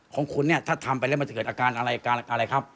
ของคุณเนี่ยถ้าทำไปแล้วมันจะเกิดอาการอะไรครับ